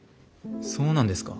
そうなんですか？